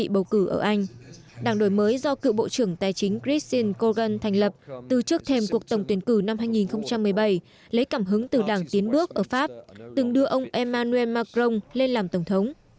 bầu cử ở anh đảng đổi mới do cựu bộ trưởng tài chính christian corgan thành lập từ trước thèm cuộc tổng tuyển cử năm hai nghìn một mươi bảy lấy cảm hứng từ đảng tiến bước ở pháp từng đưa ông emmanuel macron lên làm tổng thống